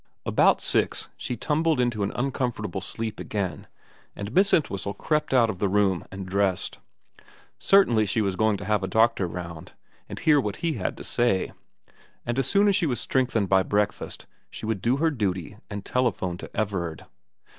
About six she tumbled into an uncomfortable sleep again, and Miss Entwhistle crept out of the room and dressed. Certainly she was going to have a doctor round, and hear what he had to say ; and as soon as she was strengthened by breakfast she would do her duty and telephone to Everard.